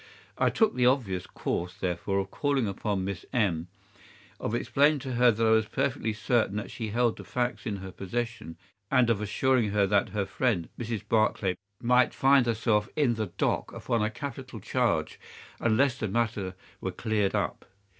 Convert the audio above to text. I took the obvious course, therefore, of calling upon Miss Morrison, of explaining to her that I was perfectly certain that she held the facts in her possession, and of assuring her that her friend, Mrs. Barclay, might find herself in the dock upon a capital charge unless the matter were cleared up.